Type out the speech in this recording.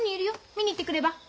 見に行ってくれば？